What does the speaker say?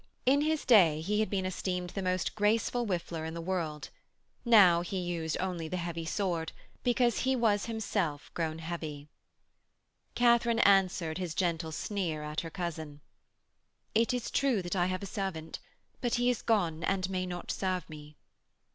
In his day he had been esteemed the most graceful whiffler in the world: now he used only the heavy sword, because he was himself grown heavy. Katharine answered his gentle sneer at her cousin: 'It is true that I have a servant, but he is gone and may not serve me.'